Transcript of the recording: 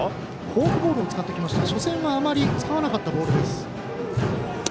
フォークボールを使ってきました、初戦はあまり使わなかったボールです。